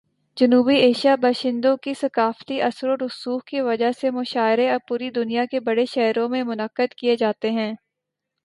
جنوبی ایشیائی باشندوں کے ثقافتی اثر و رسوخ کی وجہ سے، مشاعرے اب پوری دنیا کے بڑے شہروں میں منعقد کیے جاتے ہیں۔